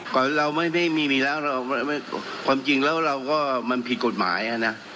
ก่อนเราไม่ไม่มีมีแล้วเราไม่มีความจริงแล้วเราก็มันผิดกฎหมายอ่ะน่ะ